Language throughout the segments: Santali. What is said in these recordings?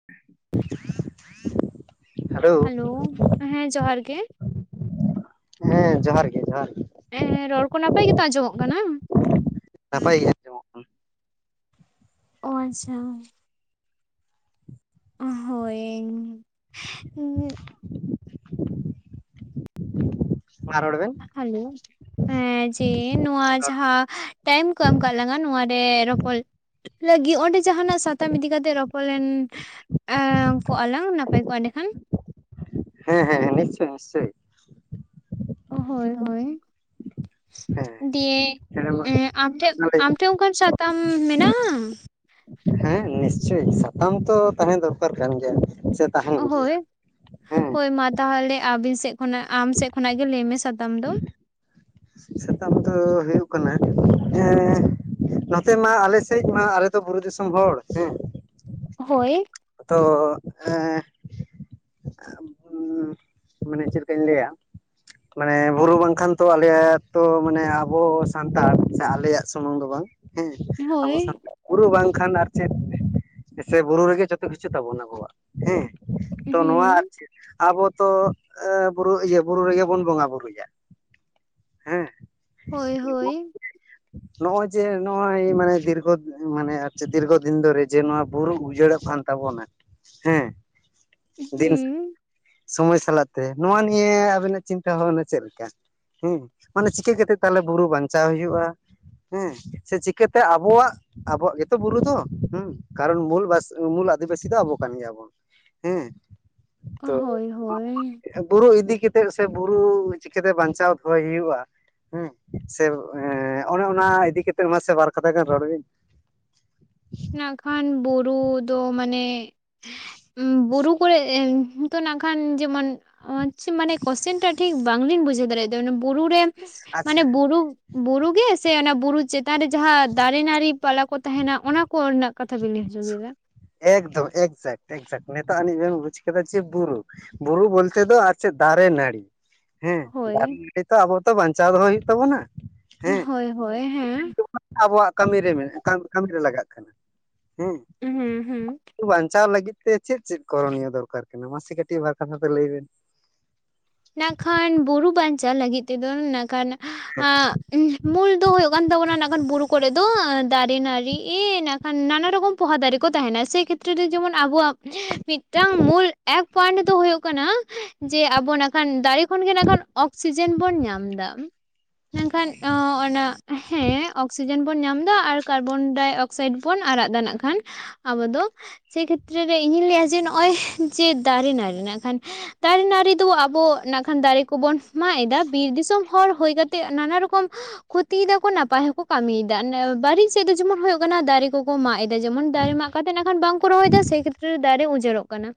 [inaudible] ᱦᱮᱞᱳ ᱦᱮᱸ ᱡᱚᱦᱟᱨ ᱜᱮ᱾ ᱦᱮᱸ ᱡᱚᱦᱟᱨ ᱜᱮ ᱡᱚᱦᱟᱨ᱾ ᱮᱸ ᱦᱮᱸ ᱨᱚᱲ ᱠᱚ ᱱᱟᱯᱟᱭ ᱜᱮᱛᱚ ᱟᱸᱡᱚᱢᱚᱜ ᱠᱟᱱᱟ? ᱱᱟᱯᱟᱭ ᱜᱮ? ᱟᱸᱡᱚᱢᱚᱜ ᱠᱟᱱᱟ ᱚ ᱟᱪᱪᱷᱟ᱾ ᱚᱸ ᱦᱳᱭ᱾ ᱢᱟ ᱨᱚᱲ ᱵᱮᱱ ᱦᱮᱞᱳ ᱮᱸ ᱡᱮ ᱱᱚᱣᱟ ᱡᱟᱦᱟᱸ ᱴᱟᱭᱤᱢ ᱠᱚ ᱮᱢ ᱠᱟᱜ ᱞᱝᱟ ᱱᱚᱣᱟ ᱨᱮ ᱨᱚᱯᱚᱲ ᱞᱟᱹᱜᱤᱫ ᱚᱸᱰᱮ ᱡᱟᱦᱟᱸᱱᱟᱜ ᱥᱟᱛᱟᱢ ᱤᱫᱤ ᱠᱟᱛᱮ ᱨᱚᱯᱚᱲᱮᱱ ᱠᱚᱜ ᱟᱞᱟᱝ ᱱᱟᱯᱟᱭ ᱠᱚᱜᱼᱟ ᱮᱸᱰᱮᱠᱷᱟᱱ ᱦᱮᱸ ᱦᱮᱸᱮᱸ ᱱᱤᱥᱪᱳᱭ ᱱᱤᱥᱪᱳᱭ ᱦᱳᱭ ᱦᱳᱭ ᱫᱤᱭᱮ ᱦᱮᱸ ᱟᱢ ᱴᱷᱮᱱ ᱟᱢ ᱴᱷᱮᱱ ᱚᱱᱠᱟᱱ ᱥᱟᱛᱟᱢ ᱢᱮᱱᱟᱜᱼᱟ ᱦᱮᱸ ᱱᱤᱥᱪᱳᱭ ᱥᱟᱛᱟᱢ ᱛᱚ ᱛᱟᱦᱮᱸ ᱫᱚᱨᱠᱟᱨ ᱠᱟᱱ ᱜᱮᱭᱟ ᱛᱟᱦᱮᱱ ᱜᱮᱭᱟ ᱦᱳᱭ ᱦᱮᱸ ᱦᱳᱭ ᱢᱟ ᱛᱟᱦᱚᱞᱮ ᱟᱵᱤᱱ ᱥᱮᱫ ᱠᱷᱚᱱᱟᱜ ᱟᱢ ᱥᱮᱫ ᱠᱷᱚᱱᱟᱜ ᱜᱮ ᱞᱟᱹᱭ ᱢᱮ ᱥᱟᱛᱟᱢ ᱫᱚ ᱥᱟᱛᱟᱢ ᱫᱚ ᱦᱩᱭᱩᱜ ᱠᱟᱱᱟ ᱱᱚᱛᱮ ᱢᱟ ᱟᱞᱮᱥᱮᱫ ᱢᱟ ᱟᱞᱮ ᱛᱚ ᱵᱩᱨᱩ ᱫᱤᱥᱚᱢ ᱦᱚᱲ ᱦᱮᱸ ᱦᱳᱭ ᱛᱚ ᱮ ᱢᱟᱱᱮ ᱪᱮᱫ ᱞᱮᱠᱟᱧ ᱞᱟᱹᱭᱟ ᱢᱟᱱᱮ ᱵᱩᱨᱩ ᱵᱟᱝᱠᱷᱟᱱ ᱛᱚ ᱟᱞᱮᱭᱟᱜ ᱛᱚ ᱢᱟᱱᱮ ᱟᱵᱚ ᱥᱟᱱᱛᱟᱲ ᱥᱮ ᱟᱞᱮᱭᱟᱜ ᱥᱩᱢᱩᱝ ᱫᱚ ᱵᱟᱝ ᱦᱮᱸ ᱟᱵᱚ ᱦᱳᱭ ᱥᱟᱱᱛᱟᱲ ᱵᱩᱨᱩ ᱵᱟᱝᱠᱷᱟᱱ ᱟᱨ ᱪᱮᱫ ᱥᱮ ᱵᱩᱨᱩ ᱨᱮᱜᱮ ᱡᱚᱛᱚ ᱠᱤᱪᱷᱩ ᱛᱟᱵᱚᱱᱟ ᱟᱵᱚᱣᱟᱜ ᱦᱮᱸ ᱛᱚ ᱱᱚᱣᱟ ᱦᱩᱸ ᱟᱨᱠᱤ ᱟᱵᱚ ᱛᱚ ᱵᱩᱨᱩ ᱤᱭᱟᱹ ᱵᱩᱨᱩ ᱨᱮᱜᱮ ᱵᱚᱱ ᱵᱚᱸᱜᱟ ᱵᱩᱨᱩᱭᱟ ᱦᱮᱸ ᱦᱳᱭ ᱦᱳᱭ [unintelligible] ᱱᱚᱜᱼᱚᱭ ᱡᱮ ᱱᱚᱜᱼᱚᱭ ᱢᱟᱱᱮ ᱫᱤᱨᱜᱚ ᱢᱟᱱᱮ ᱫᱤᱨᱜᱚ ᱫᱤᱱ ᱫᱚ ᱡᱮ ᱱᱚᱣᱟ ᱵᱩᱨᱩ ᱩᱡᱟᱹᱲᱚᱜ ᱠᱟᱱ ᱛᱟᱵᱚᱱᱟ ᱦᱮᱸ ᱫᱤᱱ ᱦᱩᱸ ᱥᱚᱢᱚᱭ ᱥᱟᱞᱟᱜ ᱱᱚᱣᱟ ᱱᱤᱭᱟᱹ ᱟᱵᱮᱱᱟᱜ ᱪᱤᱱᱛᱟᱹ ᱵᱷᱟᱵᱱᱟ ᱪᱮᱫ ᱞᱮᱠᱟ ᱦᱩᱸ ᱢᱟᱱᱮ ᱪᱤᱠᱟᱹ ᱠᱟᱛᱮᱜ ᱛᱟᱦᱚᱞᱮ ᱵᱩᱨᱩ ᱵᱟᱧᱪᱟᱣ ᱦᱩᱭᱩᱜᱼᱟ ᱦᱮᱸ ᱥᱮ ᱪᱤᱠᱟᱹ ᱛᱮ ᱟᱵᱚᱣᱟᱜ ᱟᱵᱚᱣᱟᱜ ᱜᱮᱛᱚ ᱵᱩᱨᱩ ᱫᱚ ᱦᱩᱸ ᱠᱟᱨᱚᱱ ᱢᱩ ᱢᱩᱞ ᱟᱹᱫᱤᱵᱟᱹᱥᱤ ᱫᱚ ᱟᱵᱚ ᱠᱟᱱ ᱜᱮᱭᱟ ᱵᱚᱱ ᱦᱮᱸ ᱚ ᱛᱚ ᱦᱳᱭ ᱦᱳᱭ ᱵᱩᱨᱩ ᱤᱫᱤ ᱠᱟᱛᱮᱫ ᱥᱮ ᱵᱩᱨᱩ ᱪᱤᱠᱟᱹᱛᱮ ᱵᱟᱧᱪᱟᱣ ᱫᱚᱦᱚᱭ ᱦᱩᱭᱩᱜᱼᱟ ᱦᱮᱸ ᱥᱮ ᱚᱱᱮ ᱚᱱᱟ ᱤᱫᱤ ᱠᱟᱛᱮᱫ ᱢᱟᱥᱮ ᱵᱟᱨ ᱠᱟᱛᱷᱟ ᱜᱟᱱ ᱨᱚᱲ ᱵᱤᱱ ᱱᱟᱜ ᱠᱷᱟᱱ ᱵᱩᱨᱩ ᱫᱚ ᱢᱟᱱᱮ ᱵᱩᱨᱩ ᱠᱚᱨᱮ ᱱᱤᱛᱚ ᱱᱟᱜ ᱠᱷᱟᱱ ᱡᱮᱢᱚᱱ ᱢᱟᱱᱮ ᱠᱚᱥᱪᱮᱱ ᱴᱟᱜ ᱴᱷᱤᱠ ᱵᱟᱝᱞᱤᱧ ᱵᱩᱡᱷᱟᱹᱣ ᱫᱟᱲᱮᱭᱟᱜ ᱫᱟ ᱵᱩᱨᱩ ᱨᱮ ᱢᱟᱱᱮ ᱟᱪᱪᱷᱟ ᱵᱩᱨᱩ ᱵᱩᱨᱩ ᱜᱮ ᱥᱮ ᱚᱱᱟ ᱵᱩᱨᱩ ᱪᱮᱛᱟᱱ ᱨᱮ ᱡᱟᱦᱟᱸ ᱫᱟᱨᱮ ᱱᱟᱹᱲᱤ ᱯᱟᱞᱟ ᱠᱚ ᱛᱟᱦᱮᱱᱟ ᱚᱱᱟ ᱠᱚ ᱨᱮᱱᱟᱜ ᱠᱟᱛᱷᱟ ᱵᱤᱱ ᱞᱟᱹᱭ ᱦᱚᱪᱚ ᱮᱫᱟ ᱮᱠᱫᱚᱢ ᱮᱠᱡᱮᱠᱴ ᱮᱠᱡᱮᱠᱴ ᱱᱤᱛᱚᱜ ᱟᱹᱱᱤᱡ ᱵᱮᱢ ᱵᱩᱡᱽ ᱠᱮᱫᱟ ᱡᱮ ᱵᱩᱨᱩ ᱵᱩᱨᱩ ᱵᱚᱞᱛᱮ ᱫᱚ ᱟᱨ ᱪᱮᱫ ᱫᱟᱨᱮ ᱱᱟᱹᱲᱤ ᱦᱮᱸ ᱦᱳᱭ ᱫᱟᱨᱮ ᱱᱟᱹᱲᱤ ᱛᱚ ᱟᱵᱚ ᱛᱚ ᱵᱟᱧᱪᱟᱣ ᱫᱚᱦᱚᱭ ᱦᱩᱭᱩᱜ ᱛᱟᱵᱚᱱᱟ ᱦᱮᱸ ᱦᱳᱭ ᱦᱳᱭ ᱦᱮᱸ ᱟᱵᱚᱣᱟᱜ ᱠᱟᱹᱢᱤᱨᱮ ᱢᱮᱱᱟᱜᱼᱟ ᱠᱟᱹᱢᱤᱨᱮ ᱞᱟᱜᱟᱣᱜ ᱠᱟᱱᱟ ᱦᱩᱸ ᱦᱩᱸ ᱦᱩᱸ ᱵᱟᱧᱪᱟᱣ ᱞᱟᱹᱜᱤᱫ ᱛᱮ ᱪᱮᱫ ᱪᱮᱫ ᱠᱚᱨᱚᱱᱤᱭᱚ ᱫᱚᱨᱠᱟᱨ ᱠᱟᱱᱟ ᱢᱟᱥᱮ ᱠᱟᱹᱴᱤᱡ ᱵᱟᱨ ᱠᱟᱛᱷᱟ ᱛᱮ ᱞᱟᱹᱭ ᱵᱤᱱ ᱱᱟᱠᱷᱟᱱ ᱵᱩᱨᱩ ᱵᱟᱧᱪᱟᱣ ᱞᱟᱹᱜᱤᱫ ᱛᱮᱫᱚ ᱱᱟᱜ ᱠᱷᱟᱱ [unintelligible] ᱢᱩᱞ ᱫᱚ ᱦᱩᱭᱩᱜ ᱠᱟᱱ ᱛᱟᱵᱚᱱᱟ ᱵᱩᱨᱩ ᱠᱚᱨᱮ ᱫᱚ ᱫᱟᱨᱮ ᱱᱟᱹᱲᱤ ᱮ ᱱᱟᱜ ᱠᱷᱟᱱ ᱱᱟᱱᱟ ᱨᱚᱠᱚᱢ ᱯᱚᱦᱟ ᱫᱟᱨᱮ ᱠᱚ ᱛᱟᱸᱦᱮᱱᱟ ᱥᱮ ᱠᱷᱮᱛᱨᱮ ᱨᱮ ᱡᱮᱢᱚᱱ ᱟᱵᱚᱣᱟᱜ ᱢᱤᱫᱴᱟᱝ ᱢᱩᱞ ᱮᱠ ᱯᱚᱭᱮᱱᱴ ᱨᱮᱫᱚ ᱦᱩᱭᱩᱜ ᱠᱟᱱᱟ ᱡᱮ ᱟᱵᱚ ᱠᱷᱟᱱ ᱫᱟᱨᱮ ᱠᱷᱚᱱᱜᱮ ᱱᱟᱜ ᱠᱷᱟᱱ ᱚᱠᱥᱤᱡᱮᱱ ᱵᱚᱱ ᱧᱟᱢ ᱮᱫᱟ ᱢᱮᱱᱠᱷᱟᱱ ᱚᱱᱟ ᱦᱮᱸ ᱚᱠᱥᱤᱡᱮᱱ ᱵᱚᱱ ᱧᱟᱢ ᱮᱫᱟ ᱟᱨ ᱠᱟᱨᱵᱚᱱᱰᱟᱭᱤᱠᱥᱟᱤᱰ ᱵᱚ ᱚᱠᱥᱟᱭᱤᱰ ᱵᱚᱱ ᱟᱨᱟᱜ ᱫᱟᱱᱟᱜ ᱠᱷᱟᱱ ᱟᱵᱚ ᱫᱚ ᱥᱮ ᱠᱷᱮᱛ ᱨᱮ ᱤᱧᱤᱧ ᱞᱟᱹᱭᱟ ᱡᱮ ᱱᱚᱜᱼᱚᱭ ᱡᱮ ᱫᱟᱨᱮ ᱱᱟᱹᱲᱤ ᱨᱮᱱᱟᱜ ᱱᱟᱜ ᱠᱷᱟᱱ ᱫᱟᱨᱮ ᱱᱟᱹᱲᱤ ᱫᱚ ᱟᱵᱚ ᱱᱟᱜ ᱠᱷᱟᱱ ᱫᱟᱨᱮ ᱠᱚᱵᱚᱱ ᱢᱟᱜ ᱮᱫᱟ ᱵᱤᱨ ᱫᱤᱥᱚᱢ ᱦᱚᱲ ᱦᱩᱭ ᱠᱟᱛᱮ ᱱᱟᱱᱟ ᱨᱚᱠᱚᱢ ᱠᱷᱚᱛᱤᱭᱮᱫᱟᱠᱚ ᱱᱟᱯᱟᱭ ᱦᱚᱠᱚ ᱠᱟᱹᱢᱤᱭᱮᱫᱟ ᱵᱟᱨᱤᱡ ᱥᱮᱫ ᱫᱚ ᱡᱮᱢᱚᱱ ᱦᱩᱭᱩᱜ ᱠᱟᱱᱟ ᱫᱟᱨᱮ ᱠᱚᱠᱚ ᱢᱟᱜ ᱮᱫᱟ ᱡᱮᱢᱚᱱ ᱫᱟᱨᱮ ᱢᱟᱜ ᱛᱮ ᱱᱟᱜ ᱠᱷᱟᱱ ᱵᱟᱝᱠᱚ ᱨᱚᱦᱚ ᱫᱟ ᱥᱮ ᱠᱷᱮᱛᱨᱮ ᱫᱟᱨᱮ ᱩᱡᱟᱹᱲᱚᱜ ᱠᱟᱱᱟ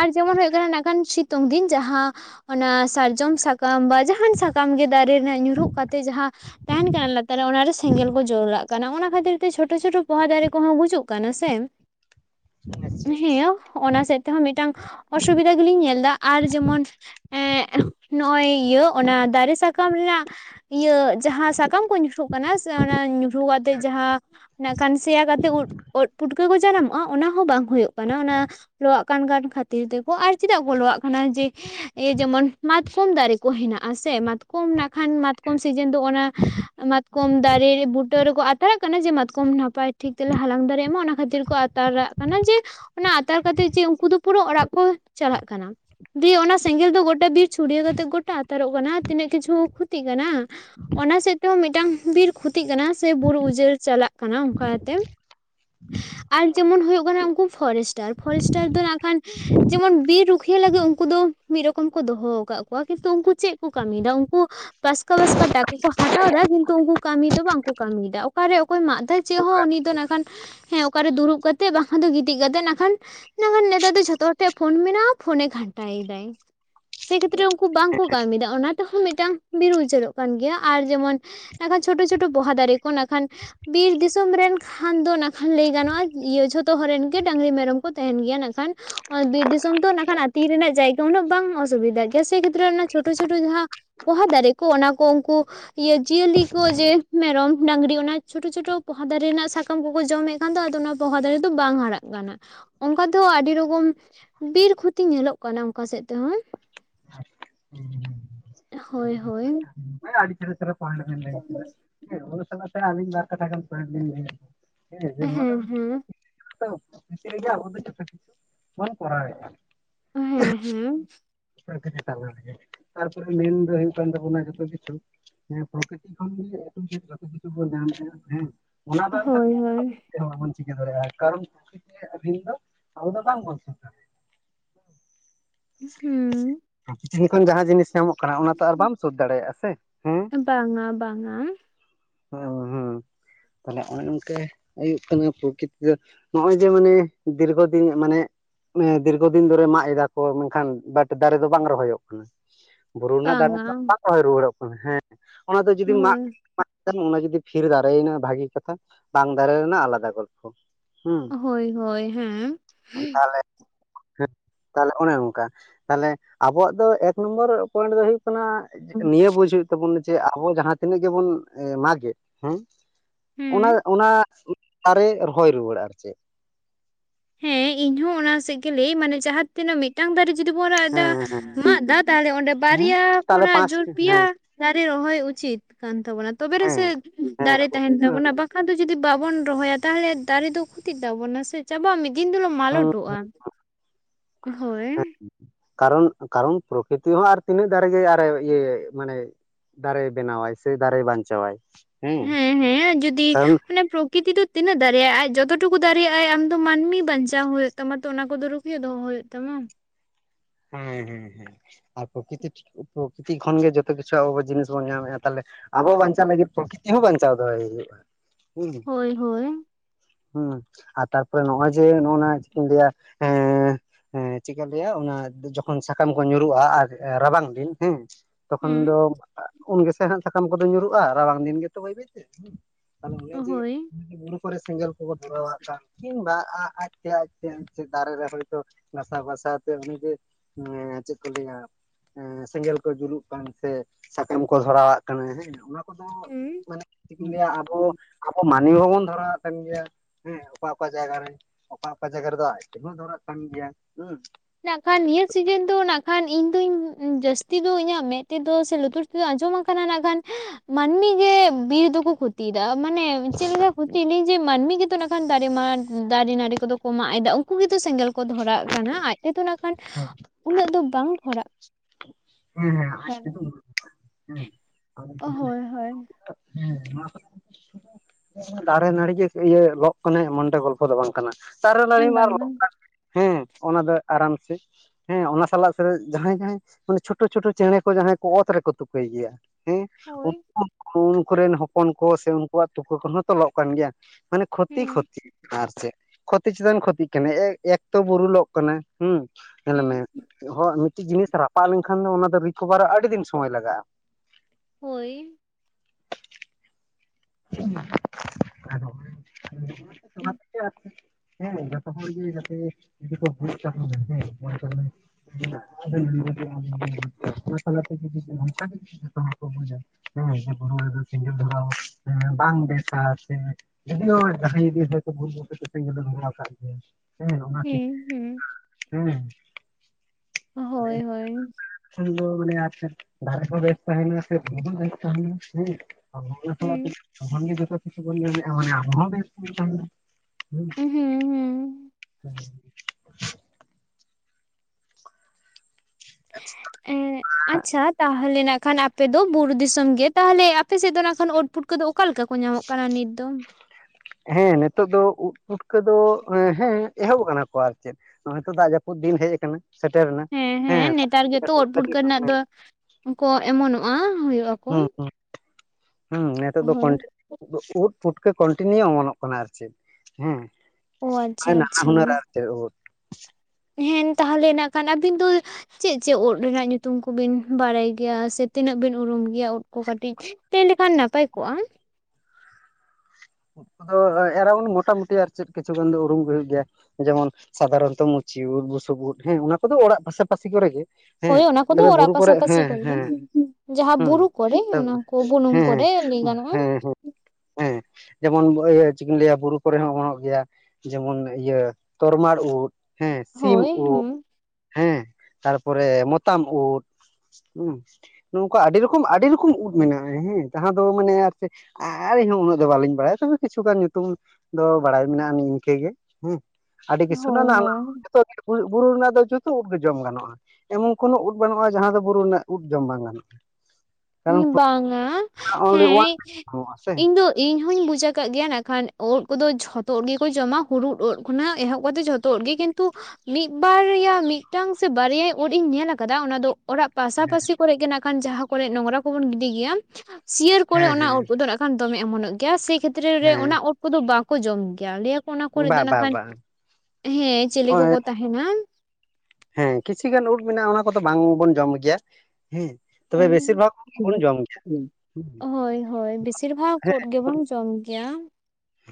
ᱟᱨ ᱡᱮᱢᱚᱱ ᱦᱩᱭᱩᱜ ᱠᱟᱱᱟ ᱱᱟᱜ ᱠᱷᱟᱱ ᱥᱤᱛᱩᱝ ᱫᱤᱱ ᱡᱟᱦᱟᱸ ᱚᱱᱟ ᱥᱟᱨᱡᱚᱢ ᱥᱟᱠᱟᱢ ᱵᱟ ᱡᱟᱦᱟᱱ ᱥᱟᱠᱟᱢ ᱜᱮ ᱫᱟᱨᱮ ᱨᱮᱱᱟᱜ ᱧᱩᱨᱩᱜ ᱠᱟᱛᱮ ᱡᱟᱦᱟᱸ ᱛᱟᱦᱮᱱ ᱠᱟᱱᱟ ᱞᱟᱛᱟᱨ ᱨᱮ ᱚᱱᱟᱨᱮ ᱥᱮᱝᱜᱮᱞ ᱠᱚ ᱡᱚᱹᱨᱟᱭ ᱟᱜ ᱠᱟᱱᱟ ᱚᱱᱟ ᱠᱷᱟᱹᱛᱤᱨ ᱛᱮ ᱪᱷᱳᱴᱳ ᱪᱷᱳᱴᱳ ᱯᱚᱦᱟ ᱫᱟᱨᱮ ᱠᱚᱦᱚᱸ ᱜᱩᱡᱩᱜ ᱠᱟᱱᱟ ᱥᱮ [inaudible] ᱟᱪᱪᱷᱟ ᱦᱮᱸ ᱟᱪᱪᱷᱟ ᱚᱱᱟ ᱥᱮᱫ ᱛᱮᱦᱚᱸ ᱢᱤᱫᱴᱟᱝ ᱚᱥᱩᱵᱤᱫᱷᱟ ᱜᱮᱞᱤᱧ ᱧᱮᱞ ᱫᱟ ᱟᱨ ᱡᱮᱢᱚᱱ ᱮᱸᱜ ᱱᱚᱜᱼᱚᱭ ᱤᱭᱟᱹ ᱚᱱᱟ ᱫᱟᱨᱮ ᱥᱟᱠᱟᱢ ᱨᱮᱱᱟᱜ ᱤᱭᱟᱹ ᱡᱟᱦᱟᱸ ᱥᱟᱠᱟᱢ ᱠᱚ ᱧᱩᱨᱦᱩᱜ ᱠᱟᱱᱟ ᱥᱮ ᱚᱱᱟ ᱧᱩᱨᱦᱩ ᱠᱟᱛᱮᱜ ᱡᱟᱦᱟᱸ ᱱᱟᱜ ᱠᱷᱟᱱ ᱥᱮᱭᱟ ᱠᱟᱛᱮᱜ ᱩᱫ ᱯᱩᱴᱠᱟᱹ ᱠᱚ ᱡᱟᱱᱟᱢᱚᱜᱼᱟ ᱚᱱᱟ ᱦᱚᱸ ᱚᱸ ᱵᱟᱝ ᱦᱩᱭᱩᱜ ᱠᱟᱱᱟ ᱚᱱᱟ ᱞᱚᱣᱟᱜ ᱠᱟᱱ ᱠᱟᱱ ᱠᱷᱟᱹᱛᱤᱨ ᱛᱮᱠᱚ ᱟᱨ ᱪᱮᱫᱟᱜ ᱠᱚ ᱞᱚᱣᱟᱜ ᱠᱟᱱᱟ ᱡᱮ ᱮ ᱡᱮᱢᱚᱱ ᱢᱟᱛᱠᱚᱢ ᱫᱟᱨᱮ ᱠᱚ ᱦᱮᱱᱟᱜ ᱟᱥᱮ ᱢᱟᱛᱠᱚᱢ ᱢᱮᱱᱟᱜ ᱠᱷᱟᱱ ᱢᱟᱛᱠᱚᱢ ᱥᱤᱡᱤᱱ ᱫᱚ ᱚᱱᱟ ᱢᱟᱛᱠᱚᱢ ᱫᱟᱨᱮ ᱵᱩᱴᱟᱹ ᱨᱮᱠᱚ ᱟᱛᱟᱨᱟᱜ ᱠᱟᱱᱟ ᱡᱮ ᱢᱟᱛᱠᱚᱢ ᱱᱟᱯᱟᱭ ᱴᱷᱤᱠ ᱛᱮᱞᱮ ᱦᱟᱞᱟᱝ ᱫᱟᱲᱮᱭᱟᱜ ᱢᱟ ᱚᱱᱟ ᱠᱷᱟᱹᱛᱤᱨ ᱠᱚ ᱟᱛᱟᱨᱟᱜ ᱠᱟᱱᱟ ᱡᱮ ᱚᱱᱟ ᱟᱛᱟᱨ ᱠᱟᱛᱮᱜ ᱜᱮ ᱩᱱᱠᱩ ᱫᱚ ᱯᱩᱨᱟᱹ ᱚᱲᱟᱜ ᱠᱚ ᱪᱟᱞᱟᱜ ᱠᱟᱱᱟ ᱾ ᱫᱤᱭᱮ ᱚᱱᱟ ᱥᱮᱸᱜᱮᱞ ᱫᱚ ᱜᱚᱴᱟ ᱵᱤᱨ ᱪᱷᱩᱲᱭᱟᱹ ᱠᱟᱛᱮᱜ ᱜᱚᱴᱟ ᱟᱛᱟᱨᱚᱜ ᱠᱟᱱᱟ ᱛᱤᱱᱟᱹᱜ ᱠᱤᱪᱷᱩ ᱠᱷᱩᱛᱤᱜ ᱠᱟᱱᱟ ᱚᱱᱟ ᱥᱮᱫ ᱛᱮᱦᱚᱸ ᱢᱤᱫᱴᱟᱝ ᱵᱤᱨ ᱠᱷᱚᱛᱤᱜ ᱠᱟᱱᱟ ᱥᱮ ᱵᱩᱨᱩ ᱩᱡᱟᱹᱲ ᱪᱟᱞᱟᱜ ᱠᱟᱱᱟ ᱚᱱᱠᱟ ᱠᱟᱛᱮᱜ ᱟᱨ ᱡᱮᱢᱚᱱ ᱦᱩᱭᱩᱜ ᱠᱟᱱᱟ ᱩᱱᱠᱩ ᱯᱷᱚᱨᱮᱥᱴᱟᱨ ᱯᱷᱚᱨᱮᱥᱴᱟᱨ ᱫᱚ ᱱᱟᱜ ᱠᱷᱟᱱ ᱡᱮᱢᱚᱱ ᱵᱤᱨ ᱨᱩᱠᱷᱤᱭᱟᱹ ᱞᱟᱹᱜᱤᱫ ᱩᱱᱠᱩ ᱫᱚ ᱢᱤᱫ ᱨᱚᱠᱚᱢ ᱠᱚ ᱫᱚᱦᱚ ᱠᱟᱜ ᱠᱚᱣᱟ ᱾ ᱠᱤᱱᱛᱩ ᱩᱱᱠᱩ ᱪᱮᱫ ᱠᱚ ᱠᱟᱹᱢᱤᱭ ᱫᱟ ᱩᱱᱠᱩ ᱵᱟᱥᱠᱟ ᱵᱟᱥᱠᱟ ᱴᱟᱠᱟ ᱠᱚ ᱦᱟᱛᱟᱣ ᱮᱫᱟ ᱠᱤᱱᱛᱩ ᱩᱱᱠᱩ ᱠᱟᱹᱢᱤ ᱫᱚ ᱵᱟᱝᱠᱚ ᱠᱟᱹᱢᱤᱭ ᱫᱟ ᱚᱠᱟ ᱨᱮ ᱚᱠᱚᱭ ᱢᱟᱜ ᱫᱟᱭ ᱪᱮᱫ ᱦᱚᱸ ᱩᱱᱤ ᱫᱚ ᱱᱟᱜᱠᱷᱟᱱ ᱾ ᱦᱮᱸ ᱚᱠᱟᱨᱮ ᱫᱩᱲᱩᱵ ᱠᱟᱛᱮᱜ ᱵᱟᱝᱠᱷᱟᱱ ᱫᱚ ᱜᱤᱛᱤᱡ ᱠᱟᱛᱮᱜ ᱱᱟᱜᱠᱷᱟᱱ ᱡᱮᱢᱚᱱ ᱱᱮᱛᱟᱨ ᱫᱚ ᱡᱷᱚᱛᱚ ᱦᱚᱲ ᱴᱷᱮᱱ ᱯᱷᱳᱱ ᱢᱮᱱᱟᱜᱼᱟ ᱯᱷᱳᱱᱮ ᱜᱷᱟᱱᱴᱟᱭ ᱫᱟᱭ ᱾ ᱥᱮ ᱠᱷᱮᱛᱨᱮ ᱩᱱᱠᱩ ᱵᱟᱝᱠᱚ ᱠᱟᱹᱢᱤ ᱫᱟ ᱚᱱᱟ ᱛᱮᱦᱚᱸ ᱢᱤᱫᱴᱟᱝ ᱵᱤᱨ ᱩᱡᱟᱹᱲᱚᱜ ᱠᱟᱱ ᱜᱮᱭᱟ ᱟᱨ ᱡᱮᱢᱚᱱ ᱱᱟᱠᱷᱟᱱ ᱪᱷᱳᱴᱳ ᱪᱷᱳᱴᱳ ᱯᱚᱦᱟ ᱫᱟᱨᱮ ᱠᱚ ᱱᱟᱜᱠᱷᱟᱱ ᱵᱤᱨ ᱫᱤᱥᱚᱢ ᱨᱮᱱ ᱠᱷᱟᱱ ᱫᱚ ᱱᱟᱜ ᱠᱷᱟᱱ ᱞᱟᱹᱭ ᱜᱟᱱᱚᱜᱼᱟ ᱤᱭᱟᱹ ᱡᱷᱚᱛᱚ ᱦᱚᱲ ᱨᱤᱱ ᱜᱮ ᱰᱟᱹᱝᱨᱤ ᱢᱮᱨᱚᱢ ᱠᱚ ᱛᱟᱦᱮᱱ ᱜᱮᱭᱟ ᱱᱟᱜ ᱠᱷᱟᱱ ᱵᱤᱨ ᱫᱤᱥᱚᱢ ᱛᱚ ᱱᱟᱜ ᱠᱷᱟᱱ ᱟᱹᱛᱤᱧ ᱨᱮᱱᱟᱜ ᱡᱟᱭᱜᱟ ᱩᱱᱟᱹᱜ ᱵᱟᱝ ᱚᱥᱤᱵᱤᱫᱷᱟ ᱜᱮᱭᱟ ᱥᱮ ᱠᱷᱮᱛᱨᱮ ᱚᱱᱟ ᱪᱷᱳᱴᱳ ᱪᱷᱳᱴᱳ ᱡᱟᱦᱟᱸ ᱯᱚᱦᱟ ᱫᱟᱨᱮ ᱠᱚ ᱚᱱᱟ ᱠᱚ ᱩᱱᱠᱩ ᱤᱭᱟᱹ ᱡᱤᱭᱟᱹᱞᱤ ᱠᱚ ᱡᱮ ᱢᱮᱨᱚᱢ ᱰᱟᱹᱝᱨᱤ ᱚᱱᱟ ᱪᱷᱳᱴᱳ ᱪᱷᱳᱴᱳ ᱯᱚᱦᱟ ᱫᱟᱨᱮ ᱨᱮᱱᱟᱜ ᱥᱟᱠᱟᱢ ᱥᱟᱠᱟᱢ ᱠᱚ ᱠᱚ ᱡᱚᱢ ᱮᱫ ᱠᱷᱟᱱ ᱫᱚ ᱟᱫᱚ ᱚᱱᱟ ᱯᱚᱦᱟ ᱫᱟᱨᱮ ᱫᱚ ᱵᱟᱝ ᱦᱟᱨᱟᱜ ᱠᱟᱱᱟ ᱚᱱᱠᱟ ᱫᱚ ᱟᱹᱰᱤ ᱨᱚᱠᱚᱢ ᱵᱤᱨ ᱠᱷᱚᱛᱤ ᱧᱮᱞᱚᱜ ᱠᱟᱱᱟ ᱚᱱᱠᱟ ᱥᱮᱫ [unintelligible] ᱦᱳᱭ ᱦᱳᱭ ᱟᱹᱰᱤ ᱪᱮᱦᱨᱟ ᱪᱮᱦᱨᱟ ᱯᱚᱭᱮᱱᱴ ᱵᱮᱱ ᱞᱟᱹᱭ ᱠᱮᱫᱟ ᱾ ᱚᱱᱟ ᱥᱟᱞᱟᱜ ᱛᱮ ᱟᱹᱞᱤᱧ ᱵᱟᱨ ᱠᱟᱛᱷᱟ ᱜᱟᱱ ᱯᱚᱭᱮᱱᱴ ᱞᱤᱧ ᱞᱟᱹᱭᱟ ᱾ ᱦᱮᱸ ᱡᱮ ᱱᱚᱶᱟ ᱴᱟᱜ [unintelligible] [unintelligible] ᱨᱮᱜᱮ ᱟᱵᱚ ᱫᱚ ᱡᱚᱛᱚ ᱠᱤᱪᱷᱩ ᱵᱚᱱ ᱠᱚᱨᱟᱣᱮᱫᱼᱟ ᱦᱮᱸ ᱦᱮᱸ [unintelligible] ᱛᱟᱨᱯᱚᱨᱮ ᱢᱮᱱ ᱫᱚ ᱦᱩᱭᱩᱜ ᱠᱟᱱ ᱛᱟᱵᱚᱱᱟ ᱡᱚᱛᱚ ᱠᱤᱪᱷᱩ ᱦᱮᱸ ᱯᱨᱚᱠᱤᱛᱤ ᱠᱷᱚᱱ ᱜᱮ ᱮ ᱴᱩ ᱡᱮᱢ ᱡᱚᱛ ᱠᱤᱪᱷᱩ ᱵᱚᱱ ᱧᱟᱢᱟ ᱮᱜ ᱟ ᱦᱮᱸ ᱚᱱᱟ ᱫᱚ [inaudible] ᱦᱳᱭ ᱦᱳᱭ ᱪᱮᱫ ᱦᱚᱸ ᱵᱟᱵᱚᱱ ᱪᱤᱠᱟᱹ ᱫᱟᱲᱮᱭᱟᱜᱼᱟ ᱠᱟᱨᱚᱱ ᱫᱚ ᱟᱹᱵᱤᱱ ᱜᱮ ᱟᱵᱤᱱ ᱫᱚ [unintelligible] ᱵᱟᱝ ᱵᱚᱱ ᱪᱤᱠᱼᱟ [inaudible] ᱦᱩᱸ ᱛᱤᱱ ᱠᱷᱚᱱ ᱡᱟᱦᱟᱸ ᱡᱤᱱᱤᱥ ᱧᱟᱢᱚᱜ ᱠᱟᱱᱟ ᱚᱱᱟ ᱛᱚ ᱟᱨ ᱵᱟᱢ ᱥᱳᱫᱷ ᱫᱟᱲᱮᱭᱟᱜᱼᱟ ᱥᱮ ᱵᱟᱝᱼᱟ ᱵᱟᱝᱼᱟ [unintelligible] ᱛᱟᱦᱞᱮ ᱚᱱᱮ ᱚᱱᱠᱮ ᱦᱩᱭᱩᱜ ᱠᱟᱱᱟ ᱯᱨᱚᱠᱤᱛᱤ ᱫᱚ ᱱᱚᱜᱼᱚᱭ ᱡᱮ ᱢᱟᱱᱮ ᱫᱤᱨᱜᱷᱚ ᱫᱤᱱ ᱢᱟᱱᱮ ᱫᱤᱨᱜᱷᱚᱚᱫᱤᱱ ᱫᱷᱚᱨᱮ ᱢᱟᱜ ᱮᱫᱟ ᱠᱚ ᱢᱮᱱᱠᱷᱟᱱ ᱵᱟᱴ ᱫᱟᱨᱮ ᱫᱚ ᱵᱟᱝ ᱨᱚᱦᱚᱭᱚᱜ ᱠᱟᱱᱟ ᱵᱩᱨᱩ ᱨᱮᱱᱟᱜ ᱫᱟᱨᱮ ᱫᱚ ᱵᱟᱝᱟ [unintelligible] ᱨᱟᱠᱟᱵ ᱨᱩᱣᱟᱹᱲᱚᱜ ᱠᱟᱱᱟ ᱦᱮᱸ ᱾ ᱚᱱᱟ ᱫᱚ ᱡᱩᱫᱤ ᱢᱟᱜ ᱦᱳᱭ [unintelligible] ᱚᱱᱟ ᱡᱩᱫᱤ ᱯᱷᱤᱨ ᱫᱟᱨᱮᱭ ᱱᱟ ᱵᱷᱟᱹᱜᱤ ᱠᱟᱛᱷᱟ ᱵᱟᱝ ᱫᱟᱨᱮ ᱞᱮᱱᱟ ᱟᱞᱟᱫᱟ ᱜᱚᱞᱯᱚ [inaudible] ᱦᱩᱸ ᱦᱳᱭ ᱦᱳᱭ ᱦᱮᱸ ᱛᱟᱦᱚᱞᱮ ᱦᱮᱸ ᱛᱟᱦᱚᱞᱮ ᱚᱱᱮ ᱚᱝᱠᱟ ᱛᱟᱦᱞᱮ ᱟᱵᱚᱣᱟᱜ ᱫᱚ ᱮᱠ ᱱᱚᱢᱵᱚᱨ ᱯᱚᱭᱮᱱᱴ ᱫᱚ ᱦᱩᱭᱩᱜ ᱠᱟᱱᱟ ᱠᱟᱱᱟ ᱦᱩᱸ ᱱᱤᱭᱟᱹ ᱵᱩᱡ ᱦᱩᱭᱩᱜ ᱛᱟᱵᱚᱱᱟ ᱡᱮ ᱟᱵᱚ ᱡᱟᱦᱟᱸ ᱛᱤᱱᱟᱹᱜ ᱜᱮᱵᱚᱱ ᱢᱟᱜᱮᱫ ᱦᱮᱸ ᱦᱮᱸ ᱚᱱᱟ-ᱚᱱᱟ ᱫᱟᱨᱮ ᱨᱚᱦᱚᱭ ᱨᱩᱣᱟᱹᱲ ᱟᱨ ᱪᱮᱫ ᱦᱮᱸ ᱤᱧ ᱦᱚ ᱚᱱᱟ ᱥᱮᱫ ᱜᱮ ᱞᱟᱹᱭ ᱢᱟᱱᱮ ᱡᱟᱦᱟᱸ ᱛᱤᱱᱟᱹᱜ ᱢᱤᱫᱴᱟᱝ ᱫᱟᱨᱮ ᱡᱩᱫᱤ ᱵᱚᱱ ᱨᱟᱜ ᱮᱫᱟ ᱦᱮᱸ ᱦᱮᱸ ᱢᱟᱜ ᱮᱫᱟ ᱛᱟᱦᱚᱞᱮ ᱚᱸᱰᱮ ᱦᱮᱸ ᱵᱟᱨᱭᱟ ᱛᱟᱦᱚᱞᱮ ᱠᱷᱚᱱᱟᱜ ᱡᱩᱨ ᱯᱟᱸᱪᱴᱤ ᱯᱮᱭᱟ ᱦᱮᱸ ᱫᱟᱨᱮ ᱨᱚᱦᱚᱭ ᱩᱪᱤᱛ ᱠᱟᱱ ᱛᱟᱵᱚᱱᱟ ᱛᱚᱵᱮ ᱦᱮᱸ ᱨᱮᱥᱮ ᱦᱮᱸ ᱫᱟᱨᱮ ᱛᱟᱦᱮᱱ ᱛᱟᱵᱚᱱᱟ ᱵᱟᱠᱷᱟᱱ ᱫᱚ ᱡᱩᱫᱤ ᱵᱟᱵᱚᱱ ᱨᱚᱦᱚᱭᱟ ᱛᱟᱦᱚᱞᱮ ᱫᱟᱨᱮ ᱫᱚ ᱛᱟᱵᱚᱱᱟ ᱥᱮ ᱪᱟᱵᱟᱜᱼᱟ ᱢᱤᱫ ᱫᱤᱱ ᱫᱚ ᱦᱮᱸ ᱢᱟᱞᱚᱴᱚᱜᱼᱟ ᱦᱚᱭ ᱦᱩᱸ ᱠᱟᱨᱚᱱ-ᱠᱟᱨᱚᱱ ᱯᱨᱚᱠᱤᱛᱤ ᱦᱚᱸ ᱟᱨ ᱛᱤᱱᱟᱹᱜ ᱫᱟᱨᱮ ᱜᱮ ᱟᱨ ᱤᱭᱟᱹ ᱢᱟᱱᱮ ᱫᱟᱨᱮ ᱵᱮᱱᱟᱣᱟᱭ ᱥᱮ ᱫᱟᱨᱮᱭ ᱵᱟᱧᱪᱟᱣᱟᱭ ᱦᱮᱸ ᱦᱮᱸᱻᱦᱮᱸ ᱡᱩᱫᱤ ᱠᱟᱨᱚᱱ ᱢᱟᱱᱮ ᱯᱨᱚᱠᱤᱛᱤ ᱫᱚ ᱛᱤᱱᱟᱹᱜ ᱫᱟᱲᱮᱭᱟᱜᱼᱟ ᱟᱡ ᱡᱚᱛᱚᱴᱩᱠᱩ ᱫᱟᱲᱮᱭᱟᱜ ᱟᱭ ᱟᱢᱫᱚ ᱢᱟᱹᱱᱢᱤ ᱵᱟᱧᱪᱟᱣ ᱦᱩᱭᱩᱜ ᱛᱟᱢᱟ ᱛᱚ ᱚᱱᱟ ᱠᱚᱫᱚ ᱨᱩᱠᱷᱭᱟᱹ ᱫᱚᱦᱚ ᱦᱩᱭᱩᱜ ᱛᱟᱢᱟ ᱦᱮᱸᱻᱦᱮᱸᱻᱦᱮᱸ ᱟᱨ ᱯᱨᱚᱠᱤᱛᱤ, ᱯᱨᱚᱠᱤᱛᱤ ᱠᱷᱚᱱ ᱜᱮ ᱡᱚᱛᱚ ᱠᱤᱪᱷᱩ ᱟᱵᱚ ᱡᱤᱱᱤᱥ ᱵᱚᱱ ᱧᱟᱢᱮᱫᱼᱟ ᱛᱟᱦᱚᱞᱮ ᱟᱵᱚ ᱵᱟᱧᱪᱟᱜ ᱞᱟᱹᱜᱤᱫ ᱯᱨᱚᱠᱤᱛᱤ ᱦᱚᱸ ᱵᱟᱧᱪᱟᱣ ᱫᱚᱦᱚᱭ ᱦᱩᱭᱩᱜᱼᱟ ᱦᱮᱸ ᱦᱳᱭ ᱦᱳᱭ ᱦᱩᱸ ᱟᱨ ᱛᱟᱨᱯᱚᱨᱮ ᱱᱚᱜ-ᱚᱭ ᱡᱮ ᱱᱚᱜ-ᱱᱚᱣᱟ ᱪᱮᱫᱤᱧ ᱞᱟᱹᱭᱟ ᱮ ᱪᱮᱠᱟᱧ ᱞᱟᱹᱭᱟ ᱡᱚᱠᱷᱚᱱ ᱥᱟᱠᱟᱢ ᱠᱚ ᱧᱩᱨᱩᱜᱼᱟ ᱟᱨ ᱨᱟᱵᱟᱝ ᱫᱤᱱ ᱦᱮᱸ ᱛᱚᱠᱷᱚᱱ ᱦᱩᱸ ᱫᱚ ᱼᱼ ᱩᱱ ᱜᱮᱥᱮ ᱦᱟᱜ ᱥᱟᱠᱟᱢ ᱠᱚᱫᱚ ᱧᱩᱨᱩᱜᱼᱟ ᱨᱟᱵᱟᱝ ᱫᱤᱱ ᱜᱮᱛᱚ ᱵᱟᱹᱭ ᱵᱟᱹᱭ ᱛᱮ᱾ ᱦᱮᱸ ᱟᱨ ᱚᱱᱮ ᱡᱮ ᱦᱳᱭ ᱼᱼ ᱵᱩᱨᱩ ᱠᱚᱨᱮ ᱥᱮᱸᱜᱮᱞ ᱠᱚ-ᱠᱚ ᱫᱷᱚᱨᱟᱣᱟᱜ ᱠᱟᱱ। ᱠᱤᱝᱵᱟ ᱟᱡ-ᱟᱡᱛᱮ ᱫᱟᱨᱮ ᱨᱮ ᱦᱥᱭᱛᱚ ᱜᱟᱥᱟᱣᱼᱜᱟᱥᱟᱣ ᱛᱮ ᱚᱱᱮ ᱡᱮ ᱼᱼ ᱦᱮᱸ ᱪᱮᱫ ᱠᱚ ᱞᱟᱹᱭᱟ ᱦᱮᱸ ᱥᱮᱸᱜᱮᱞ ᱠᱚ ᱡᱩᱞᱩᱜ ᱠᱟᱱ ᱛᱮ ᱥᱟᱠᱟᱢ ᱠᱚ ᱫᱷᱚᱨᱟᱣᱟᱜ ᱠᱟᱱᱟ ᱦᱮᱸ ᱚᱱᱟ ᱠᱚ ᱦᱩᱸ ᱢᱟᱱᱮ ᱪᱮᱫ ᱤᱧ ᱞᱟᱹᱭᱟ ᱟᱵᱚ-ᱟᱵᱚ ᱢᱟᱱᱢᱤ ᱦᱟᱹᱱᱤ ᱦᱚᱸᱵᱚᱱ ᱫᱷᱚᱨᱟᱣᱟᱜ ᱠᱟᱱ ᱜᱮᱭᱟ ᱦᱮᱸ ᱚᱠᱟ-ᱚᱠᱟ ᱡᱟᱭᱜᱟ ᱨᱮ। ᱚᱠᱟ-ᱚᱠᱟ ᱡᱟᱭᱜᱟ ᱨᱮᱫᱚ ᱟᱡ ᱛᱮ ᱦᱚᱸ ᱫᱷᱚᱨᱟᱜ ᱠᱟᱱ ᱜᱮᱭᱟ ᱦᱮᱸ। ᱢᱮᱱᱟᱜ ᱠᱷᱟᱱ ᱱᱤᱭᱟᱹ ᱥᱤᱡᱤᱱ ᱫᱚ ᱱᱟᱜ ᱠᱷᱟᱱ ᱤᱧ ᱫᱚᱧ ᱡᱟᱹᱥᱛᱤ ᱫᱚ ᱤᱧᱟᱹᱜ ᱢᱮᱫ ᱛᱮᱫᱚ ᱥᱮ ᱞᱩᱛᱩᱨ ᱼᱼ ᱟᱸᱡᱚᱢ ᱟᱠᱟᱱᱟ ᱱᱟᱜ ᱠᱷᱟᱱ ᱢᱟᱹᱱᱢᱤ ᱜᱮ ᱵᱤᱨ ᱫᱚᱠᱚ ᱠᱷᱚᱛᱤ ᱛᱤᱫᱟ ᱢᱟᱱᱮ ᱪᱮᱫ ᱞᱮᱠᱟ ᱠᱷᱚᱛᱤ ᱱᱤᱡᱮ ᱢᱟᱹᱱᱢᱤ ᱜᱮᱛᱚ ᱼᱼ ᱠᱷᱟᱱ ᱫᱟᱨᱮ ᱢᱟ ᱫᱟᱨᱮ ᱱᱟᱲᱤ ᱠᱚᱫᱚ ᱠᱚ ᱢᱟᱜ ᱮᱫᱟ ᱩᱱᱠᱩ ᱜᱮᱛᱚ ᱥᱮᱸᱜᱮᱞ ᱠᱚ ᱫᱷᱚᱨᱟᱜ ᱠᱟᱱᱟ᱾ ᱟᱡ ᱼᱼ ᱦᱮᱸ ᱩᱱᱟᱹᱜ ᱫᱚ ᱵᱟᱝ ᱦᱚᱲᱟᱜ ᱦᱮᱸᱻᱦᱮᱸ ᱟ ᱪᱮᱫ ᱦᱳᱭ ᱦᱚᱸ ᱦᱳᱭ ᱵᱟᱝ ᱟᱸᱡᱚᱢᱚᱜ ᱠᱟᱱᱟ ᱫᱟᱨᱮ ᱱᱟᱹᱲᱤ ᱜᱮ ᱤᱭᱟᱹ ᱞᱚᱜ ᱠᱟᱱᱟᱭ ᱮᱢᱚᱱ ᱫᱚ ᱜᱚᱞᱯᱷᱚ ᱫᱚ ᱵᱟᱝ ᱠᱟᱱᱟ ᱫᱟᱨᱮ ᱱᱟᱹᱲᱤ ᱵᱟᱝ ᱢᱟ ᱟᱨ ᱵᱟᱝ ᱞᱚᱜ ᱠᱟᱱ ᱜᱮ ᱼᱼ ᱦᱮᱸ ᱚᱱᱟ ᱫᱚ ᱟᱨᱟᱢ ᱥᱮ ᱦᱮᱸ ᱚᱱᱟ ᱥᱟᱞᱟᱜ ᱥᱮ ᱡᱟᱦᱟᱸᱭᱼᱡᱟᱦᱟᱸᱭ ᱼᱼ ᱢᱟᱱᱮ ᱪᱷᱚᱴᱚ-ᱪᱷᱚᱴᱚ ᱪᱮᱬᱮ ᱠᱚ ᱡᱟᱦᱟᱸᱭ ᱠᱚ ᱚᱛ ᱨᱮᱠᱚ ᱛᱩᱠᱟᱹᱭ ᱜᱮᱭᱟ ᱦᱮᱸ ᱩᱱᱠᱩ ᱠᱚᱨᱮᱱ ᱦᱚᱯᱚᱱ [inaudible] ᱦᱚᱯᱚᱱ ᱠᱚ ᱥᱮ ᱩᱱᱠᱩᱣᱟᱜ ᱛᱩᱠᱟᱹ ᱠᱚᱦᱚᱸ ᱛᱚ ᱞᱚᱜ ᱠᱟᱱ ᱜᱮᱭᱟ ᱢᱟᱱᱮ ᱠᱷᱚᱛᱤ- ᱠᱷᱚᱛᱤ। ᱟᱨ ᱪᱮᱫ ᱠᱷᱚᱛᱤ ᱪᱮᱛᱟᱱ ᱠᱷᱚᱛᱤᱜ ᱠᱟᱱᱟ ᱮᱠᱼᱮᱠ ᱛᱚ ᱵᱩᱨᱩᱞᱚᱜ ᱠᱟᱱᱟ ᱦᱮᱸ ᱧᱮᱞᱢᱮ। ᱦᱚᱲᱟᱜ ᱢᱤᱫᱴᱤᱡ ᱡᱤᱱᱤᱥ ᱨᱟᱯᱟᱜ ᱞᱮᱱᱠᱷᱟᱱ ᱫᱚ ᱚᱱᱟ ᱫᱚ ᱨᱤᱠᱚᱵᱷᱟᱨᱟᱜ ᱟᱹᱰᱤ ᱫᱤᱱ ᱥᱚᱢᱚᱭ ᱞᱟᱜᱟᱜᱼᱟ। ᱦᱚᱭ ᱪᱮᱫ ᱦᱚᱸ ᱵᱟᱝ ᱟᱸᱡᱚᱢᱚᱜ ᱠᱟᱱᱟ ᱾ ᱦᱮᱸ ᱡᱚᱛᱚ ᱦᱚᱲ ᱜᱮ ᱡᱚᱛᱚ ᱡᱩᱫᱤ ᱠᱚ ᱵᱩᱡᱽ ᱪᱟᱥᱟ ᱚᱱᱟ ᱛᱟᱞᱟ ᱛᱮ ᱵᱩᱡᱟ ᱦᱮᱸ ᱵᱩᱨᱩ ᱨᱮ ᱥᱮᱸᱜᱮᱞ ᱫᱷᱚᱨᱟᱣ ᱮᱸ ᱵᱟᱝ ᱵᱮᱥᱟ ᱪᱮ ᱡᱩᱫᱤ ᱦᱚᱸᱚᱭ ᱡᱟᱦᱟᱸᱭ ᱡᱩᱫᱤ ᱦᱚᱭᱛᱚ ᱵᱷᱩᱞ ᱵᱚᱥᱚᱛᱚ ᱥᱤᱧ ᱧᱤᱫᱟᱹ ᱨᱚᱜᱱᱟ ᱟᱠᱟᱫ ᱜᱮᱭᱟ। ᱦᱮᱸ ᱚᱱᱟᱠᱤ ᱦᱮᱸ ᱦᱚᱭ-ᱦᱚᱭ ᱮᱱᱠᱷᱟᱱ ᱫᱚᱢᱟᱱᱮ ᱫᱟᱨᱮ ᱠᱚ ᱵᱮᱥ ᱛᱟᱦᱮᱱᱟ ᱥᱮ ᱵᱟᱹᱫ ᱵᱮᱥ ᱛᱟᱦᱮᱱᱟ ᱦᱮᱸ ᱟ [inaudible] ᱦᱩᱸ, [inaudible] ᱠᱷᱞᱟᱚᱱ ᱡᱚᱛᱚ ᱠᱤᱪᱷᱩ ᱵᱚᱱ ᱢᱮᱱᱮ ᱟ ᱢᱟᱱᱮ ᱟᱵᱚ ᱦᱚᱸ ᱵᱮᱥ ᱛᱮᱵᱚᱱ ᱛᱟᱦᱮᱱᱟ। ᱦᱩᱸ, ᱦᱩᱸ, [inaudible] ᱮᱸᱜ ᱟᱪᱪᱷᱟ [unintelligible] ᱟᱪᱪᱷᱟ ᱛᱟᱦᱚᱞᱮ ᱱᱟᱜ ᱠᱷᱟᱱ ᱟᱯᱮ ᱫᱚ ᱵᱩᱨᱩ ᱫᱤᱥᱚᱢ ᱜᱮ ᱛᱟᱦᱚᱞᱮ ᱟᱯᱮᱥᱮᱫ ᱫᱚ ᱱᱟᱜ ᱠᱷᱟᱱ ᱩᱫ ᱯᱩᱴᱠᱟᱹ ᱫᱚ ᱚᱠᱟ ᱞᱮᱠᱟ ᱠᱚ ᱧᱟᱢᱚᱜ ᱠᱟᱱᱟ ᱱᱤᱛ ᱫᱚ? ᱦᱮᱸ ᱱᱤᱛᱚᱜ ᱫᱚ ᱩᱫ ᱯᱩᱴᱠᱟᱹ ᱫᱚ ᱦᱮᱸ ᱮᱦᱚᱵ ᱟᱠᱟᱱᱟ ᱠᱚ ᱟᱨ ᱪᱮᱫ। ᱱᱚᱜᱼᱚᱭ ᱛᱚ ᱫᱟᱜ ᱡᱟᱹᱯᱩᱫ ᱫᱤᱱ ᱦᱮᱡ ᱟᱠᱟᱱᱟ। ᱥᱮᱴᱮᱨ ᱮᱱᱟ ᱦᱮᱸ ᱦᱮᱸ ᱱᱮᱛᱟᱨ ᱜᱮᱛᱚ ᱩᱫ ᱯᱩᱴᱠᱟᱹ ᱨᱮᱱᱟᱜ ᱫᱚ ᱠᱚ ᱮᱢᱚᱱᱚᱜᱼᱟ ᱦᱩᱭᱩᱜᱼᱟ᱾ ᱦᱩᱸ ᱦᱩᱸ ᱦᱮᱸ ᱱᱤᱛᱳᱜ ᱫᱚ ᱦᱳᱭ, [unintelligible] ᱩᱫ ᱯᱩᱴᱠᱟᱹ ᱠᱚᱱᱴᱤᱱᱤᱭᱩ ᱚᱢᱚᱱᱚᱜ ᱠᱟᱱᱟ ᱟᱨ ᱪᱮᱫ ᱦᱮᱸ ᱚ ᱟᱪᱪᱷᱟ, ᱟᱨ ᱱᱟᱱᱟ ᱦᱩᱱᱟᱹᱨ ᱟᱨ ᱪᱮᱫ ᱩᱫ? ᱦᱮᱱ ᱛᱟᱦᱚᱞᱮ ᱱᱟᱜ ᱠᱷᱟᱱ ᱟᱹᱵᱤᱱ ᱫᱚ ᱪᱮᱜ ᱪᱮᱜ ᱩᱫ ᱨᱮᱱᱟᱜ ᱧᱩᱛᱩᱢ ᱠᱚᱵᱤᱱ ᱵᱟᱲᱟᱭ ᱜᱮᱭᱟ? ᱥᱮ ᱛᱤᱱᱟᱹᱜ ᱵᱤᱱ ᱩᱨᱩᱢ ᱜᱮᱭᱟ ᱩᱫ ᱠᱚ ᱠᱟᱹᱴᱤᱡ ᱞᱟᱹᱭ ᱞᱮᱠᱷᱟᱱ ᱱᱟᱯᱟᱭ ᱠᱚᱜᱼᱟ᱾ ᱳ ᱳ ᱮᱨᱟᱣᱩᱱᱰ ᱢᱳᱴᱟᱢᱩᱴᱤ ᱟᱨ ᱪᱮᱫ ᱠᱤᱪᱷᱩ ᱜᱟᱱ ᱫᱚ ᱩᱨᱩᱢ ᱜᱮ ᱦᱩᱭᱩᱜ ᱜᱮᱭᱟ᱾ ᱡᱮᱢᱚᱱ ᱥᱟᱫᱷᱟᱨᱚᱱᱛᱚ ᱢᱩᱪᱤ ᱩᱫ ᱵᱩᱥᱩᱵ ᱩᱫ ᱦᱮᱸ ᱚᱱᱟ ᱠᱚᱫᱚ ᱚᱲᱟᱜ ᱯᱟᱥᱟᱯᱟᱥᱤ ᱠᱚᱨᱮᱜ ᱜᱮ ᱦᱳᱭ ᱦᱮᱸ ᱚᱱᱟ ᱠᱚᱫᱚ ᱛᱚᱵᱮ ᱚᱲᱟᱜ ᱵᱩᱨᱩ ᱠᱚᱨᱮᱜ ᱯᱟᱥᱟᱯᱟᱥᱤ ᱦᱮᱸ ᱠᱚᱨᱮ ᱜᱮ ᱦᱮᱸ ᱡᱟᱦᱟᱸ ᱦᱩᱸ ᱵᱩᱨᱩ ᱠᱚᱨᱮ ᱛᱚ ᱚᱱᱟ ᱠᱚ ᱵᱩᱱᱩᱢ ᱦᱮᱸ ᱠᱚᱨᱮ ᱞᱟᱹᱭ ᱜᱟᱱᱚᱜᱼᱟ ᱦᱮᱸ ᱦᱮᱸ ᱦᱮᱸ ᱦᱮᱸ ᱡᱮᱢᱚᱱ ᱤᱭᱟᱹ ᱪᱮᱜᱤᱧ ᱞᱟᱹᱭᱟ ᱵᱩᱨᱩ ᱠᱚᱨᱮ ᱦᱚᱸ ᱚᱶᱚᱜ ᱜᱮᱭᱟ ᱡᱮᱢᱚᱱ ᱤᱭᱟᱹ ᱛᱚᱨᱢᱟᱲ ᱩᱫ᱾ ᱦᱮᱸ ᱥᱤᱢ ᱦᱳᱭ ᱩᱜ ᱦᱮᱸ ᱦᱮᱸ ᱛᱟᱨᱯᱚᱨᱮ ᱢᱚᱛᱟᱢ ᱩᱫ᱾ ᱩᱸ ᱱᱚᱝᱠᱟ ᱟᱹᱰᱤ ᱨᱚᱠᱚᱢ ᱟᱹᱰᱤ ᱨᱚᱠᱚᱢ ᱩᱫ ᱢᱮᱱᱟᱜᱼᱟ ᱦᱮᱸ ᱡᱟᱦᱟᱸ ᱫᱚ ᱢᱟᱱᱮ ᱟᱨᱠᱤ ᱟᱼᱟᱹᱞᱤᱧ ᱦᱚᱸ ᱩᱱᱟᱹᱜ ᱫᱚ ᱵᱟᱹᱞᱤᱧ ᱵᱟᱲᱟᱭᱟ ᱛᱚᱵᱮ ᱠᱤᱪᱷᱩ ᱜᱟᱱ ᱧᱩᱛᱩᱢ ᱫᱚ ᱵᱟᱲᱟᱭ ᱢᱮᱱᱟᱜᱼᱟ ᱤᱝᱠᱟᱹ ᱜᱮ ᱦᱮᱸ᱾ ᱟᱹᱰᱤ ᱜᱮ ᱦᱳᱭ ᱥᱩᱱᱟᱱᱟ ᱡᱷᱚᱛᱚᱜᱮ ᱵᱩᱨᱩ ᱨᱮᱱᱟᱜ ᱫᱚ ᱡᱚᱛᱚ ᱩᱫ ᱜᱮ ᱡᱚᱢ ᱜᱟᱱᱚᱜᱼᱟ᱾ ᱮᱢᱚᱱ ᱠᱳᱱᱳ ᱩᱫ ᱵᱟᱹᱱᱩᱜᱼᱟ ᱡᱟᱦᱟᱸ ᱫᱚ ᱵᱩᱨᱩ ᱨᱮᱱᱟᱜ ᱩᱫ ᱡᱚᱢ ᱵᱟᱝ ᱜᱟᱱᱚᱜᱼᱟ᱾ ᱤᱧ ᱵᱟᱝᱟ ᱚᱱᱞᱤ ᱦᱮᱸ [unintelligible] ᱥᱮ᱾ ᱤᱧ ᱫᱚ ᱤᱧ ᱦᱚᱧ ᱵᱩᱡᱟᱹ ᱠᱟᱜ ᱜᱮᱭᱟ ᱱᱟᱜᱠᱷᱟᱱ ᱩᱫ ᱠᱚᱫᱚ ᱡᱷᱚᱛᱚ ᱩᱫ ᱜᱮᱠᱚ ᱡᱚᱢᱟ ᱦᱩᱲᱩᱫ ᱩᱫ ᱠᱷᱚᱱᱟᱜ ᱮᱦᱚᱵ ᱠᱟᱛᱮᱜ ᱡᱷᱚᱛ ᱚᱛ ᱩᱫ ᱜᱮ ᱠᱤᱱᱛᱩ ᱢᱤᱜ ᱵᱟᱨᱭᱟ ᱢᱤᱜᱴᱟᱝ ᱥᱮ ᱵᱟᱨᱭᱟ ᱩᱫ ᱤᱧ ᱧᱮᱞ ᱠᱟᱫᱟ ᱚᱱᱟ ᱫᱚ ᱚᱲᱟᱜ ᱦᱮᱸ ᱯᱟᱥᱟᱯᱟᱥᱤ ᱠᱚᱨᱮ ᱜᱮ ᱱᱟᱜ ᱠᱷᱟᱱ ᱡᱟᱦᱟᱸ ᱠᱚᱨᱮ ᱱᱚᱝᱨᱟ ᱠᱚᱵᱚᱱ ᱜᱤᱰᱤ ᱜᱮᱭᱟ ᱥᱤᱭᱟᱹᱨ ᱠᱚᱨᱮ ᱚᱱᱟ ᱦᱮᱸ ᱩᱫ ᱫᱚ ᱨᱟ ᱠᱷᱟᱱ ᱫᱚᱢᱮ ᱮᱢᱚᱱᱼᱚᱜ ᱜᱮᱭᱟ ᱥᱮ ᱠᱷᱮᱛᱨᱮ ᱨᱮ ᱦᱮᱸ ᱚᱱᱟ ᱩᱫ ᱠᱚᱫᱚ ᱵᱟᱠᱚ ᱡᱚᱢ ᱜᱮᱭᱟ᱾ ᱞᱟᱹᱭᱟ ᱚᱱᱟ ᱠᱚᱨᱮ ᱵᱟ ᱫᱚ ᱵᱟ ᱱᱟᱠᱷᱟᱱ ᱵᱟ ᱦᱮᱸ ᱪᱮᱞᱮ ᱱᱚᱜᱼᱚᱭ ᱠᱚᱠᱚ ᱛᱟᱦᱮᱸᱱᱟ ᱦᱮᱸ ᱠᱤᱪᱷᱤ ᱜᱟᱱ ᱩᱫ ᱢᱮᱱᱟᱜᱼᱟ ᱚᱱᱟ ᱠᱚᱫᱚ ᱵᱟᱝ ᱵᱚᱱ ᱡᱚᱢ ᱜᱮᱭᱟ ᱦᱮᱸ᱾ ᱛᱚᱵᱮ ᱵᱮᱥᱤᱨ ᱵᱷᱟᱜᱽ [unintelligible] ᱡᱚᱢ ᱜᱮᱭᱟ᱾ ᱦᱳᱭ ᱦᱳᱭ ᱵᱮᱥᱤᱨ ᱵᱷᱟᱜᱽ ᱩᱫ ᱜᱮᱵᱚᱱ ᱡᱚᱢ ᱜᱮᱭᱟ᱾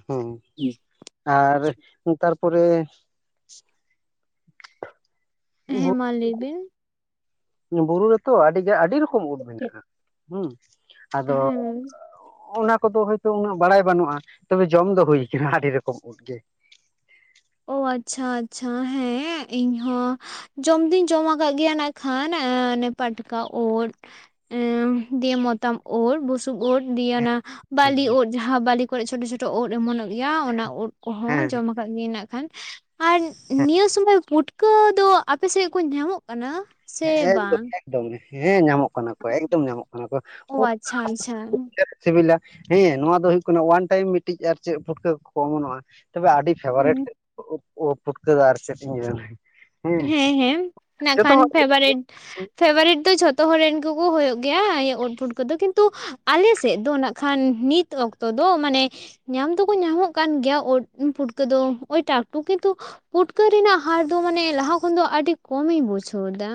ᱦᱩᱸ ᱟᱨ ᱛᱟᱨᱯᱚᱨᱮ ᱦᱮᱸ ᱢᱟ ᱞᱟᱹᱭ ᱵᱮᱱ᱾ ᱵᱩᱨᱩ ᱨᱮᱛᱚ ᱟᱹᱰᱤ ᱜᱮ ᱟᱹᱰᱤ ᱨᱚᱠᱚᱢ ᱩᱫ ᱦᱮᱸ ᱢᱮᱱᱟᱜᱼᱟ᱾ ᱦᱩᱸ ᱟᱫᱚ ᱚᱱᱟ ᱠᱚᱫᱚ ᱦᱩᱭ ᱛᱚ ᱩᱱᱟᱹᱜ ᱵᱟᱲᱟᱭ ᱵᱟᱹᱱᱩᱜᱼᱟ᱾ ᱛᱚᱵᱮ ᱡᱚᱢ ᱫᱚ ᱦᱩᱭ ᱠᱟᱱᱟ ᱟᱹᱰᱤ ᱨᱚᱠᱚᱢ ᱩᱫ ᱜᱮ᱾ ᱚ ᱟᱪᱪᱷᱟ ᱟᱪᱪᱷᱟ ᱦᱮᱸ ᱤᱧ ᱦᱚᱸ ᱡᱚᱢ ᱫᱩᱧ ᱡᱚᱢ ᱟᱠᱟᱜ ᱜᱮᱭᱟ ᱱᱟᱸᱜᱠᱷᱟᱱ ᱮᱸ ᱚᱱᱮ ᱯᱟᱴᱠᱟ ᱳᱫ᱾ ᱫᱤᱭᱮ ᱢᱚᱛᱟᱢ ᱳᱫ ᱵᱩᱥᱩᱵ ᱳᱫ ᱫᱤᱭᱮ ᱚᱱᱟ ᱵᱟᱹᱞᱤ ᱦᱮᱸ ᱳᱫ ᱡᱟᱦᱟᱸ ᱵᱟᱹᱞᱤ ᱠᱚᱨᱮᱜ ᱪᱷᱳᱴᱳ ᱪᱷᱳᱴᱳ ᱳᱫ ᱚᱢᱚᱱᱼᱚᱜ ᱜᱮᱭᱟ ᱚᱱᱟ ᱳᱫ ᱠᱚᱦᱚᱸ ᱦᱮᱸ ᱡᱚᱢ ᱟᱠᱟᱜ ᱜᱮᱭᱟᱹᱧ ᱱᱟᱜ ᱠᱷᱟᱱ ᱟᱨ ᱱᱤᱭᱟᱹ ᱥᱚᱢᱚᱭ ᱯᱩᱴᱠᱟᱹ ᱫᱚ ᱟᱯᱮ ᱥᱮᱜ ᱠᱚ ᱧᱟᱢᱚᱜ ᱠᱟᱱᱟ? ᱥᱮ ᱦᱮᱸ ᱮᱠᱫᱚᱢ ᱵᱟᱝ? ᱮᱠᱫᱚᱢ ᱦᱮᱸ ᱧᱟᱢᱚᱜ ᱠᱟᱱᱟ ᱠᱚ ᱮᱠᱫᱚᱢ ᱧᱟᱢᱚᱜ ᱠᱟᱱᱟ ᱠᱚ ᱚ ᱟᱪᱪᱷᱟ ᱟᱪᱪᱷᱟ [unintelligible] ᱥᱤᱵᱤᱞᱟ ᱦᱮᱸ ᱱᱚᱣᱟ ᱫᱚ ᱦᱩᱭᱩᱜ ᱠᱟᱱᱟ ᱚᱣᱟᱱ ᱴᱟᱭᱤᱢ ᱢᱤᱴᱤᱡ ᱟᱨ ᱪᱮᱜ ᱯᱷᱩᱴᱠᱟᱹ ᱠᱚᱠᱚ ᱚᱢᱚᱱᱚᱜᱼᱟ᱾ ᱛᱚᱵᱮ ᱟᱹᱰᱤ ᱦᱩᱸ ᱯᱷᱮᱵᱟᱨᱮᱴ ᱳ ᱳ ᱯᱷᱩᱴᱠᱟᱹ ᱫᱚ ᱟᱨ ᱪᱮᱫ ᱤᱧ ᱢᱮᱱᱟ᱾ ᱦᱮᱸ ᱦᱮᱸ ᱱᱟᱜ ᱡᱚᱛᱚ ᱠᱷᱟᱱ ᱦᱚᱲ ᱜᱮ ᱯᱷᱮᱵᱟᱨᱮᱴ ᱯᱷᱮᱵᱟᱨᱮᱴ ᱫᱚ ᱡᱷᱚᱛᱚ ᱦᱚᱲ ᱨᱮᱱ ᱜᱮᱠᱚ ᱦᱳᱭᱳᱜ ᱜᱮᱭᱟ, ᱤᱭᱟᱹ ᱳᱫ ᱯᱩᱴᱠᱟᱹ ᱫᱚ ᱠᱤᱱᱛᱩ ᱟᱞᱮ ᱥᱮᱫ ᱫᱚ ᱱᱟᱜᱠᱷᱟᱱ ᱱᱤᱛ ᱚᱠᱛᱚ ᱫᱚ ᱢᱟᱱᱮ ᱧᱟᱢ ᱫᱚᱠᱚ ᱧᱟᱢᱚᱜ ᱠᱟᱱ ᱜᱮᱭᱟ ᱳᱫ ᱯᱷᱩᱴᱠᱟᱹ ᱫᱚ ᱳᱭ ᱴᱟᱠᱴᱩᱠ ᱠᱤᱱᱛᱩ ᱯᱩᱴᱠᱟᱹ ᱨᱮᱱᱟᱜ ᱦᱟᱨ ᱫᱚ ᱢᱟᱱᱮ ᱞᱟᱦᱟ ᱠᱷᱚᱱ ᱫᱚ ᱟᱹᱰᱤ ᱠᱚᱢᱤᱧ ᱵᱩᱡᱷᱟᱹᱣ ᱮᱫᱟ